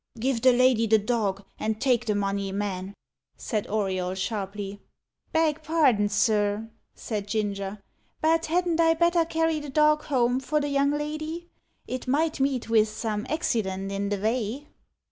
"Give the lady the dog, and take the money, man," said Auriol sharply. "Beg pardon, sir," said Ginger, "but hadn't I better carry the dog home for the young lady? It might meet vith some accident in the vay."